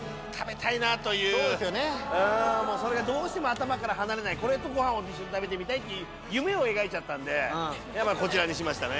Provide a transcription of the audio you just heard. それがどうしても頭から離れないこれとご飯を一緒に食べてみたいっていう夢を描いちゃったんでこちらにしましたね